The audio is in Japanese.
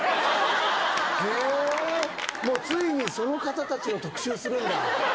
もうついにその方たちの特集するんだ。